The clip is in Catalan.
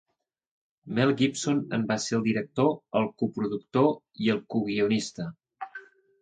Mel Gibson en va ser el director, el coproductor i el coguionista.